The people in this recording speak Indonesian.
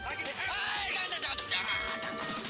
bakso saya tidak enak